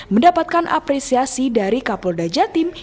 mendapatkan apresiasi dari kapolda jatim